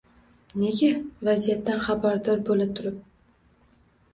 nega vaziyatdan xabardor bo‘la turib